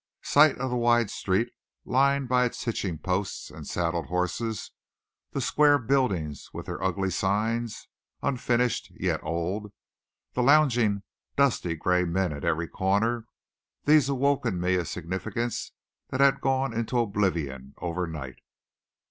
Sight of the wide street, lined by its hitching posts and saddled horses, the square buildings with their ugly signs, unfinished yet old, the lounging, dust gray men at every corner these awoke in me a significance that had gone into oblivion overnight.